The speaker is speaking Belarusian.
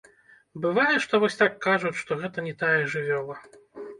Бывае, што вось так кажуць, што гэта не тая жывёла.